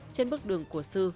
trên bước đường của sư